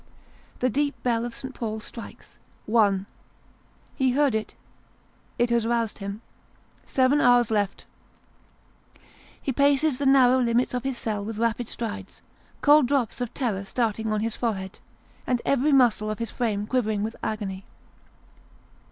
The deep bell of St. Paul's strikes one ! He heard it ; it has roused him. Seven hours left 1 He paces the narrow limits of his cell with rapid strides, cold drops of terror starting on his forehead, and every muscle of his frame quivering with agony.